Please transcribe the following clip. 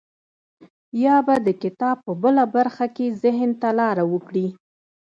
يا به د کتاب په بله برخه کې ذهن ته لاره وکړي.